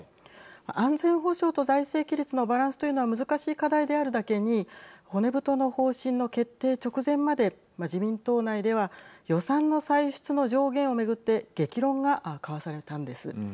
安全保障と財政規律のバランスというのは難しい課題であるだけに骨太の方針の決定直前まで自民党内では予算の歳出の上限を巡って激論が交わされたんです。